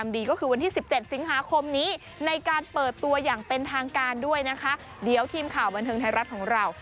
เดี๋ยวทีมข่าวบันเทิงไทยรัฐของเรา